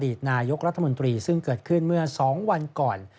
ตนายกรัฐมนตรีซึ่งเกิดขึ้นเมื่อ๒วันก่อน